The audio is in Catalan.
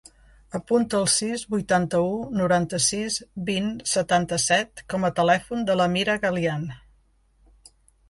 Apunta el sis, vuitanta-u, noranta-sis, vint, setanta-set com a telèfon de l'Amira Galian.